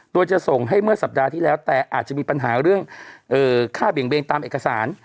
โดยจะส่งให้เมื่อสัปดาห์ที่แล้วแต่อาจจะมีปัญหาเรื่องค่าเบี่ยงเบงตามเอกสาร